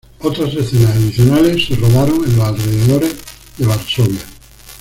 Otras escenas adicionales se rodaron en los alrededores de Varsovia.